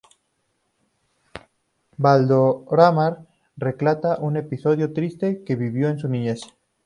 Valdelomar relata un episodio triste que vivió en su niñez.